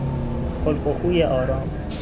خلق و خوی آرام